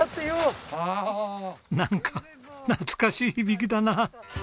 なんか懐かしい響きだな。